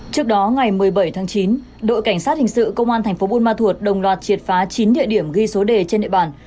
trước đó ngày một mươi bảy tháng chín đội cảnh sát hình sự công an thành phố buôn ma thuột đồng loạt triệt phá chín địa điểm ghi số đề trên địa bàn